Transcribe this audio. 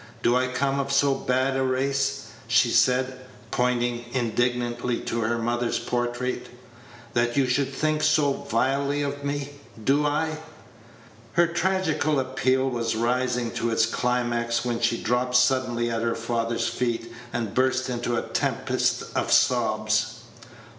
Do I come of so bad a race," she said, pointing indignantly to her mother's portrait, "that you should think so vilely of me? Do I " Her tragical appeal was rising to its climax, when she dropped suddenly at her father's feet, and burst into a tempest of sobs.